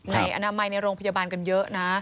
อนามัยในโรงพยาบาลกันเยอะนะ